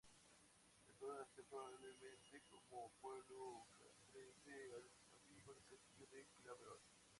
El pueblo nació, probablemente, como pueblo castrense al abrigo del castillo de Claverol.